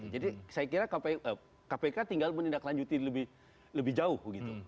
jadi saya kira kpk tinggal menindaklanjuti lebih jauh